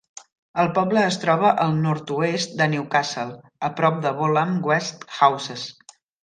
El poble es troba al nord-oest de Newcastle, a prop de Bolam West Houses.